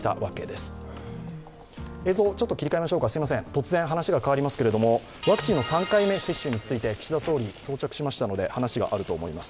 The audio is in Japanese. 突然話が変わりますが、ワクチンの３回目接種について、岸田総理、到着しましたので、話があると思います。